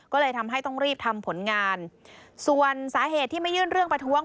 ก็เลยทำให้ต้องรีบทำผลงานส่วนสาเหตุที่ไม่ยื่นเรื่องประท้วง